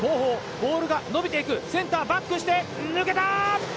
ボールが伸びていくセンターバックして抜けた！